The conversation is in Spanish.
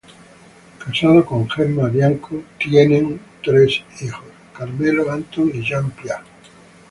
Es casado con Gemma Bianco y tiene tres hijos: Carmelo, Anton y Jeanne-Pia.